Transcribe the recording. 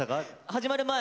始まる前